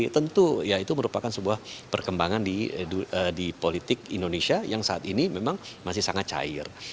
tentu ya itu merupakan sebuah perkembangan di politik indonesia yang saat ini memang masih sangat cair